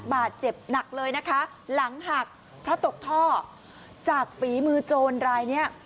บาดเจ็บหนักเลยนะคะหลังหักเพราะตกท่อจากฝีมือโจรรายเนี้ย